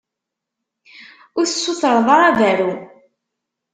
Ur tessutred ara berru?